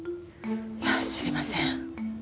いや知りません。